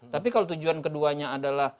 tapi kalau tujuan keduanya adalah